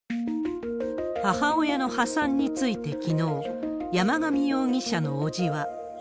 母親の破産についてきのう、山上容疑者の伯父は。